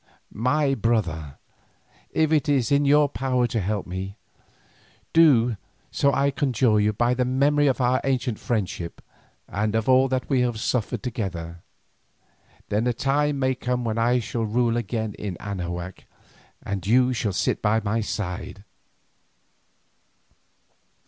My brother, if it is in your power to help me, do so I conjure you by the memory of our ancient friendship, and of all that we have suffered together. Then a time may still come when I shall rule again in Anahuac, and you shall sit at my side."